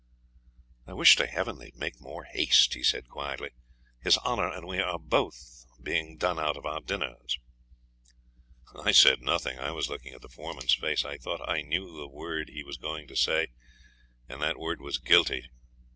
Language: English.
'I wish to heaven they'd make more haste,' he said quietly; 'his Honour and we are both being done out of our dinners.' I said nothing. I was looking at the foreman's face. I thought I knew the word he was going to say, and that word was 'Guilty.'